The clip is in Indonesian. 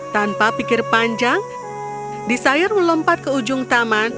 tanpa pikir panjang desain melompat ke ujung taman